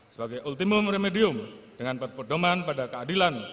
sebagai ultimum remedium dengan berpedoman pada keadilan